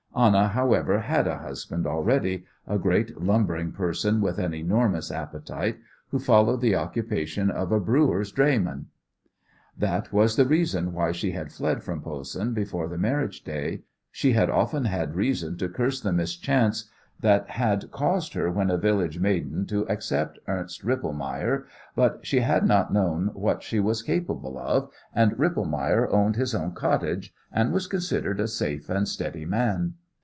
Anna, however, had a husband already, a great, lumbering person with an enormous appetite, who followed the occupation of a brewer's drayman! That was the reason why she had fled from Posen before the marriage day. She had often had reason to curse the mischance that had caused her when a village maiden to accept Ernst Rippelmayer, but she had not then known what she was capable of, and Rippelmayer owned his own cottage, and was considered a safe and steady man.